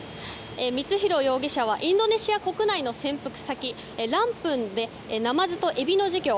光弘容疑者はインドネシア国内の潜伏先ランプンでナマズとエビの事業